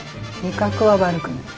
味覚は悪くない。